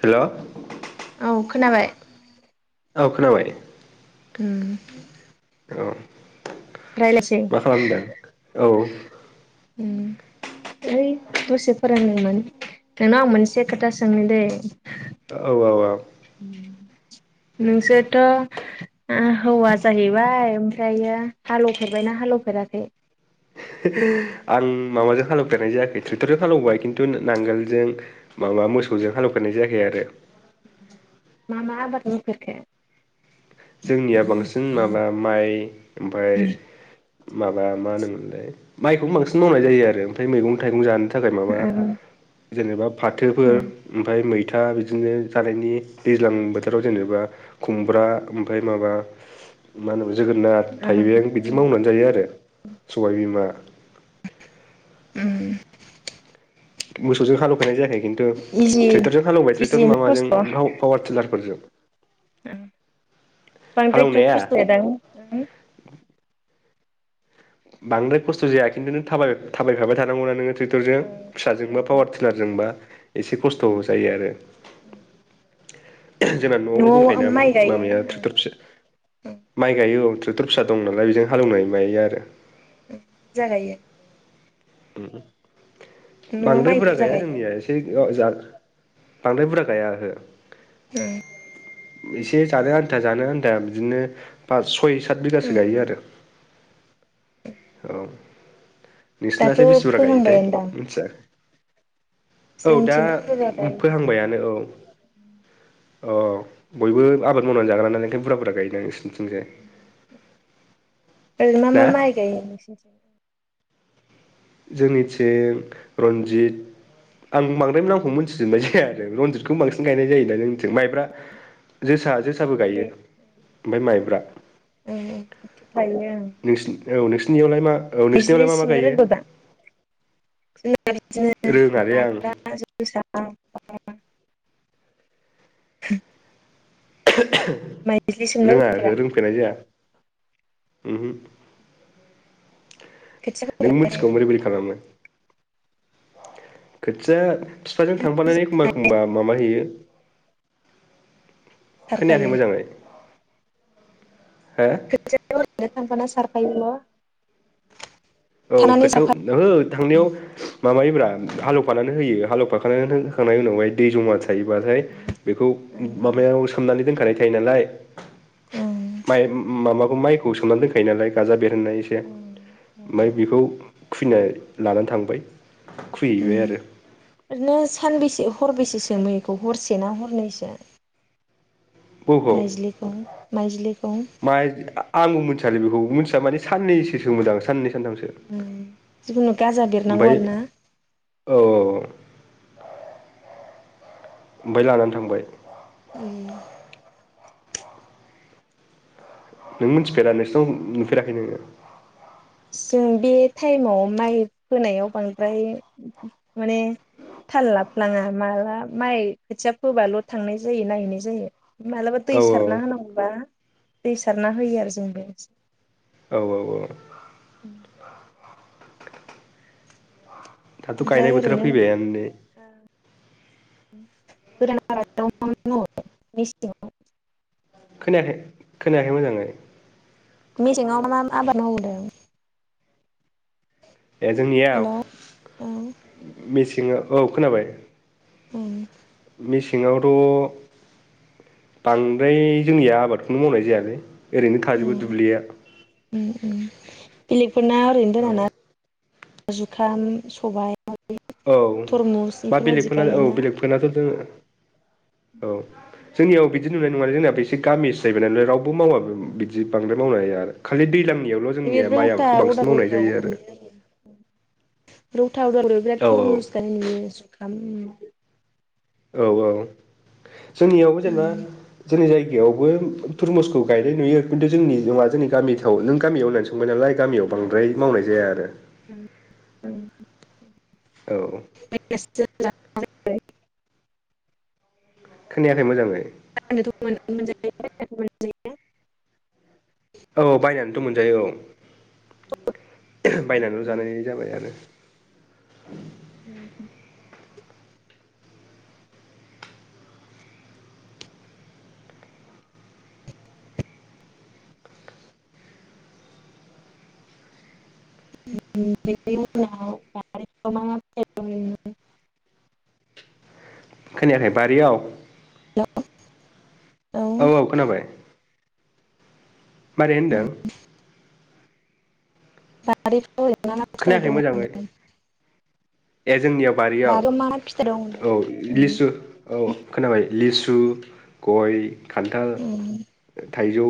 हेल'। औ खोनाबाय? औ खोनाबाय। उम। औ। रायलायसै मा खालामदों औ उम। है दसे फोरोंदोंमोन नोंनाव आं मोनसे खोथा सोंनो दे? औ औ। औ नोंसोरथ' ओ हौवा जाहैबाय ओमफ्रायो हालेफेरबायना हालेफेराखै? [unintelligible] आं माबाजों हालौफेरनाय जायाखै ट्रेक्टरजों हालौबाय खिन्थु ना-नांगोलजों माबा मोसौजों हालेवफेरनाय जायाखै आरो। मा मा आबाद मावफेरखो? जोंनिया बांसिन माबा माइ ओमफ्राय माबा मा होनोमोनलाय माइखौनो बांसिन मावनाय जायो आरो ओमफ्राय मैगं थाइगं जानो थाखाय माबा ओं जेनेबा फाथोफोर ओमफ्राय मैथा बिदिनो जानायनि दैज्लां बोथोराव जेनेबा खुमब्रा ओमफ्राय माबा मा होनो जोगोनार ओं थाइबें बिदि ओं मावनानै जायो आरो। सबाय बिमा [unintelligible] मोसौजों हालौफेरनाय जायाखै खिन्थु इजि ट्रेक्टरजों हालेवबाय ट्रेक्टर इजियैनो खस्थ' माबाजों [unintelligible] पावार टिलारफोरजों। ओं बांद्रायथ' हालौनाया खस्थ' जायादां? उम बांद्राय खस्थ' जाया खिन्थु नों थाबाय थाबायफाबाय थानांगौना नोङो। ट्रेक्टरजों फिसाजोंबा ओं पावार टिलारजोंबा एसे खस्थ'बो जायो आरो। [unintelligible] जोंना न'आवनो दंखायोना न'आव माइ गायो माबाया ओं ट्रेक्टर फिसा ओं माइ गायो औ ट्रेक्टर फिसा दं नालाय बेजों हालेवनाय मायो आरो। जागायो न'आव बांद्राय माइ बुरजा गैया गायो जोंनिया एसे [unintelligible] बांद्राय बुरजा गाया ओहो [unintelligible] एसे जानो आन्था जानो आन्था बिदिनो पास सय सात बिगासो गायो ओं आरो औ। [unintelligible] दाथ' बेसे बुरजा गायोथाय फोहांबायानोदां मिथिया। औ दा जोंथिंबो बुरजा गायो फोहांबायानो औ अ बयबो आबाद मावनानै जाग्रानालाय ओंखायनो बुरजा बुरजा गायो दां नोंसोरनिथिंजाय? [inaudible] ओरैनो मा ना मा माइ गायो नोंसिनिथिं? जोंनिथिं रन्जित आं बांद्राय नामखौ मोनथिजोबनाय जाया आरो रनजितखौ बांसिन गायनाय जायोना जोंनिथिं माइब्रा, जोसा जोसाबो गायो बे ओमफ्राय माइब्रा। [unintelligible] नोंसिनि औ नोंसिनियावलाय मा औ बिजलि नोंसिनियावलाय मा मा सोमनो गायो? रोंगौ दा जोंना बिदिनो रोङालै आं माइब्रा जोसा माइज्लि सोमनो रोङा रोंफेरा ओहो रोंफेरनाय जाया उमहु खोथिया नों फोनानै मिथिगौ बोरै बोरै खालामो? खोथिया फिफाजों थांफानानै एखमबा एखमबा माबा हैयो। खोनायाखै सारफायो मोजाङै। हो [unintelligible] थांफाना सारफायोना? औ खोथियाखौ ओहो थांनायाव माबायोब्रा हालेवफानानै होयो हालौवफाखानानै होखांनायनि उनावहाय दै जमा थायोबाथाय बेखौ ओं माबायाव सोमनानै दोनखानाय थायो नालाय ओं माइ माबाखौ माइखौ सोमनानै दोनखायो नालाय गाजा बेरहोनाय एसे ओं ओं ओमफ्राय बेखौ खुना लानानै थांबाय उम खुहैबाय आरो। ओरैनो सानबेसे हरबसे सोमो बेखौ हरसे ना हरनैसो? माइज्लिखौ माइज्लिखौ [unintelligible] माइ आंबो मिथियालै बेखौ मिथिया माने साननैसो सोमोदां साननै सानथामसो ओम जिखुनु गाजा ओमफ्राय बेरनांगौ आरोना? औ औ ओमफ्राय लानानै थांबाय। उम नों मिथिफेरा नोंसोरनाव नुफेराखै नोंङो? जों बे टाइमाव माइ फोनायाव बांद्राय माने थाल लाफ्लाङा माला माइ खोथिया फोबाल' थांनाय जायो नायहैनाय जायो। मालाबा औ दै सारना होनांगौबा दै सारना होयो आरो जोंबो। औ औ औ। उम दाथ' गायनाय ओमफ्राय बोथोरा ओरैनो फैबायानो ने? [unintelligible] खोनायाखै खोनायाखै मोजाङै। मेसेङाव मा आबाद मावो होनदों? ए जोंनियाव हेल' औ उम मेसें औ खोनाबाय उ मेसेङावथ' बांद्राय जोंनिया आबादखौनो मावनाय जायालै। ओरैनो थाजोबो दुब्लिया बेलेगफोरना ओरैनो औ दोनाना जुखाम सबाय औ थरमुस मा बेफोरबायदि बेलेगफोरना औ गायोना बेलेगफोरनाथ' दोङो औ। जोंनियाव बिदि नुनाय नङा जोंना बे एसे गामि सो जाहैबाय नालाय रावबो मावाबो बिदि बांद्राय मावनाया आरो। खालि दैलांनियावल' बे जोंनिया माइ रौता आबादखौ बांसिन मावनाय उदालगुरियाव जायो आरो। नुयो रौथा अदालगुरियाव बिराद औ थरमुस गायनाय नुयो जुखाम औ औ जोंनियावबो जेनेबा उम जोंनि जायगा इयावबो थरमुसखौ गायनाय नुयो खिन्थु जोंनि नङा जोंनि गामिफ्राव नों गामियाव होनानै सो सोंबाय नालाय गामियाव बांद्राय मावनाय जाया आरो। उम उम। औ [unintelligible] खोनायाखै मोजाङै [unintelligible] [unintelligible] औ बायनानैथ' मोनजायो औ बायनानैल' जानाय जाबाय आरो। उम [unintelligible] [unintelligible] खोनायाखै बारियाव हेलौ औ औ खोनाबाय। मारै होनदों? खोनायाखै मोजाङै [unintelligible] ए जोंनियाव बारियाव मा मा फिथाइ दं होनदों औ उम लिसु औ खोनाबाय लिसु गय खान्थाल उम थाइजौ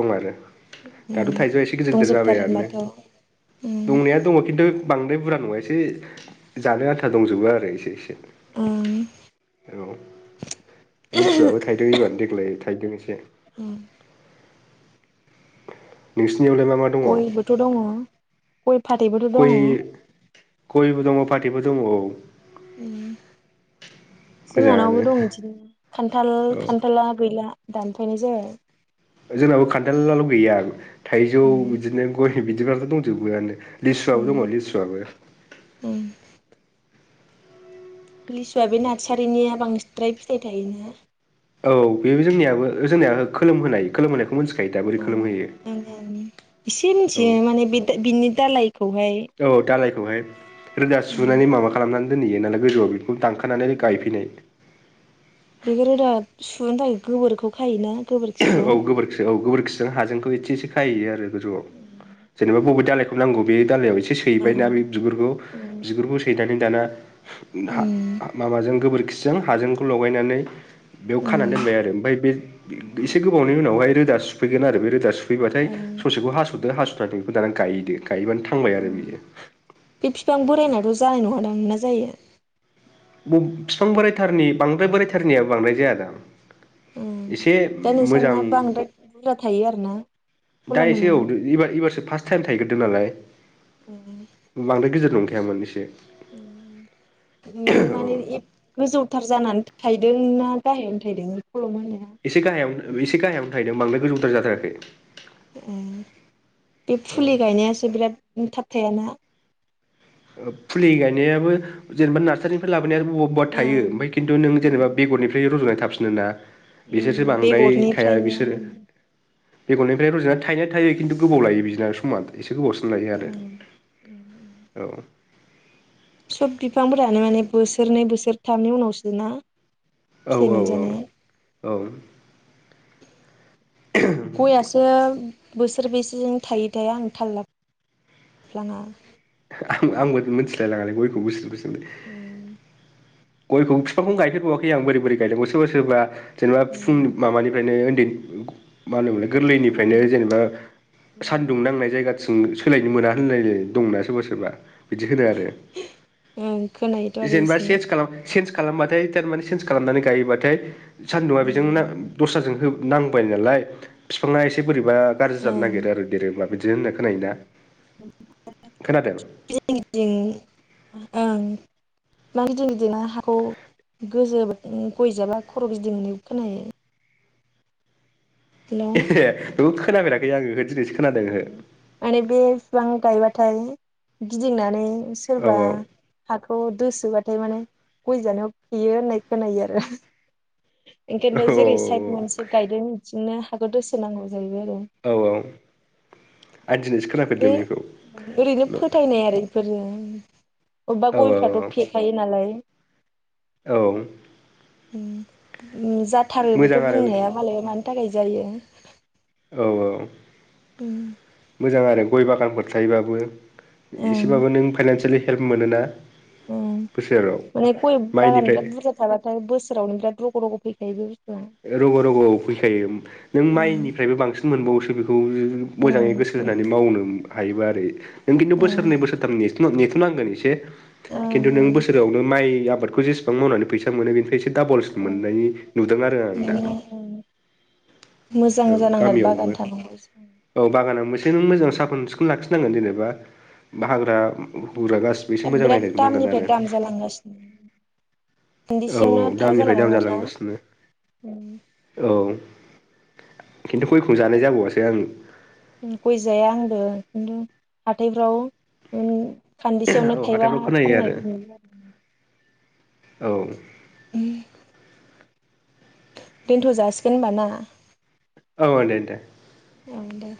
दं आरो दाथ' उम थाइजौआ एसे गिदिर गिदिर दंजोबथारो जाबाय आरो ने। होनबाथ' उम दंनाया दङ किन्तु बांद्राय बुरजा नङा एसे जानो आन्था दंजोबो आरो एसे एसे। ओं औ लिसुआबो थायदों एबानो देग्लाय थायदों एसे। उम नोंसिनि आलाय मा मा दङ गइबोथ' दङ गइ फाथैबोथ' दङ? गइबो दङ फाथैबो दङ औ। उम मोजाङानो जोंहानावबो दं इदिनो खान्थाल औ खान्थाला गैला। दानफानाय जाय जोंनाबो खान्थालआल' गैया थाइजौ उम बिदिनो गइ बिदिबाथ' दंजोबोआनो। लिसुआबो उम दङो लिसुआबो उम लिसुआ बे नार्सारिनिया बांसद्राय फिथाइ थायोना? औ बे बि जोंनियाबो ओ जोंनिया खोलोम होनाय खोलोम होनायखौ मोनथि अ ओ इसे औ मिथियो माने बे दालाइ बिनि दालायखौहाय औ दालायखौहाय रोदा उम सुनानै माबा खालामनानै दोनहैयो नालाय गोजौआव बिखौ दानखानानै गायफैनाय बे रोदा सुनो थाखाय गोबोरखौ खायोना गोबोर औ गोबोरखि औ गोबोरखिजों हाजोंखौ एसे एसे खाहैयो आरो गोजौआव जेनेबा बबे दालाय नांगौ बे दालायाव एसे सैबायना ओं बे ओं बिगुरखौ उम बिगुरखौ सैनानै दाना ना माबाजों गोबोरखिजों हाजोंखौ लगायनानै बेयाव खाना ओं ओं दोनबाय आरो ओमफाय बे एसे गोबावनि उनाव ब्यावहाय रोदा सुफैगोन आरो बे रोदा सुफैबाथाय उम ससेखौ हास'दो हास'ना बेखौ दाना गायहैदो गायोबानो था उम बे फिफां बोरायनायथ' जानाय नङादां ना जायो? बे फिफां बोरायथारनि बांद्राय बोरायथारनिया बांदाय जाया दां इसे ओम मोजां बुना थायो आरो ना? दा एसे औद इबा इबासो फास थाइम थायग्रोदो नालाय [inaudible] बांद्राय गेदिर नंखायामोन इसे। उम माने ए गोजौथार जानानै थायदों ना गाहायावानो थायदों बि खल'म होनाया? एसे गाहायावनो एसे गाहायावनो थायदों बांद्राय गोजौथार जाद्रायाखै। उम बे औ फुलि गायनायासो बिराद उम थाब थायाना? ओ फुलि गायनायाबो जेनेबा नार्सारिनिफ्राय लाबोनाय आरो अबा थायो ओं ओमफाय खिन्थु नों ओं जेनेबा बेगरनिफ्राय रज'नाय थाफिनो ना। उम बिसोरसो बांद्राय थाया बेगरनिफ्रायनो बिसोरो बेगरनिफ्राय रज'ना थायनाया थायो किन्तु गोबाव लायो बिदिना समा एसे गोबावसिन लायो आरो ओं। [inaudible] औ सब बिफांफोरानो माने बोसोरनै बोसोरथामनि उनावसोना औ औ औ औ गयासो बोसोर बेसेजों थायो थाय आं थाललाफ्लाङा। आ आंबो मोनथिलायलाङालै गयखौ बोसि बोसोरनि उम गयखौ फिफांखौनो गायफेरबावाखै आं बोरै बोरै गायनांगौ सोरबा सोरबा जेनेबा फुं उम माबानिफ्रायनो उन्दै मा होनोमोनलाय ओं गोरलैनिफ्रायनो जेनेबा ओं सानदुं नांनाय जायगाथिं सोलायनो मोना होनलायलायना दंना सोरबा सोरबा। बिदि होनो आरो ओं खोनायोथ' आरो जेनेबा एसे सेन्स खालाम सेन्स खालामबाथाय तारमाने सेन्स खालामनानै गायोबाथाय सान्दुंङा बेजों ना ओं दस्राजों हो नांबाय नालाय फिफाङा एसे बोरैबा गारजि जानो ओं नागिरो आरो देरोब्ला बिदिनो होनना खोनायोना खोनादों? जोंनिथिं ओं मा गिदिं दिना हाखौ गोजोब नो गयजाबा खर' गिदिंनो खोनायो। हेलौ ए दे खोनाफेराखै आङो ओ दिनैसो खोनादों अ माने बे फिफां गायबाथाय गिदिंनानै एस सोरबा ओहो हाखौ दोसोबाथाय माने गयजानायाव फेयो होननाय खोनायो आरो। औ एखायनथ' औ जेरै साइद मोनसे गायदों बिथिंनो हाखौ दोसोनांगौ जायो आरो। औ औ आं दिनैसो खोनाफेरदों बे बेखौ औ ओरैनो फोथायनाय आरो फोरो अबबा औ गयफ्राथ' औ फेखायो नालाय। औ उम मोजां जाथारोबोथ' आरो बुंनो हाया मालायबा मानि थाखाय जायो। औ औ मोजां आरो गय बागानफोर थायोबाबो। उम एसेबाबो नों फाइनानसियेलि हेल्प मोनोना उम बोसोराव माने गय बागान माइनिफ्राय बिराद बुरजा थाबाथाय बोसोरावनो बिराद रग' रग' फैखायो बे बुस ओ रग' रग' फैखायो नों ओम माइनिफ्रायबो बांसिन मोनबावोसो बेखौ [unintelligible] मोजाङै ओम गोसो होनानै मावनोम हायोबा आरो। नों खिन्थु औ बोसोरनै बोसोरथाम नेथ'नां नेथ'नांगोन एसे ओं खिन्थु नों बोसोरावनो माइ इ आबादखौ जेसेबां मावनानै फैसा मोनो बेनिफ्राय एसे डाबल मोननाय नुदों आ उम उम मोजां औ जानांनार गामियावबो बागान थानांगौ औ बागाना मोजों मोजां साखोन सिखोन लाखिनांगोन जेनेबा बा हाग्रा हुरा गासिबो एसे मोजां नायनांगोन नांगोन आरो। थांगासिनो औ औ दामनिफ्राय जालांबाय दाम माथो ना। जालांगासिनो। औ खिन्थु गयखौ जानाय जाबावासो आङो। उम गय जाया आंबो खिन्थु हाथायफ्राव उम खान्दिसेयावनो औ थाइबा हाथायफ्राव खोनायो आरो फाननायखौ नुयो आरो। औ। उम। दोनथ' जासिगोन होमबा ना। औ दे दे। औ दे।